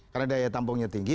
karena daya tampungnya tinggi